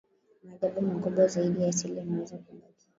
maajabu makubwa zaidi ya asili yanaweza kubaki